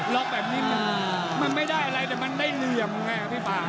แบบนี้มันไม่ได้อะไรแต่มันได้เหลี่ยมไงพี่ป่า